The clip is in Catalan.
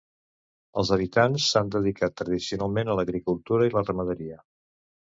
Els habitants s'han dedicat tradicionalment a l'agricultura i la ramaderia.